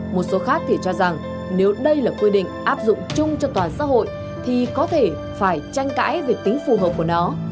một số khác thì cho rằng nếu đây là quy định áp dụng chung cho toàn xã hội thì có thể phải tranh cãi về tính phù hợp của nó